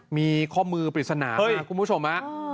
มีข้อมือปริศนานะคุณผู้ชม